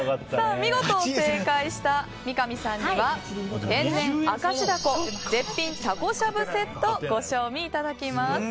見事、正解した三上さんには天然明石だこ絶品たこしゃぶセットをご賞味いただきます。